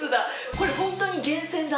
これホントに源泉だ。